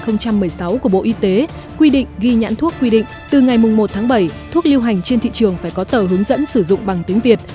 thông tư sáu hai nghìn một mươi sáu ngày tám ba hai nghìn một mươi sáu của bộ y tế quy định ghi nhãn thuốc quy định từ ngày một bảy thuốc liêu hành trên thị trường phải có tờ hướng dẫn sử dụng bằng tiếng việt